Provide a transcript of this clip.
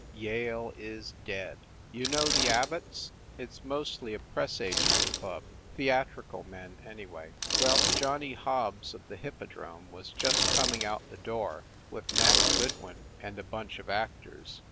Yale is dead !" You know the Abbots ? It s mostly a press agents club theatrical men, anyway. Well, Johnny Hobbs of the Hippodrome was just coming out the door with Nat Goodwin and a bunch of actors.